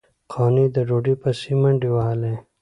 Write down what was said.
قانع د ډوډۍ پسې منډې وهلې.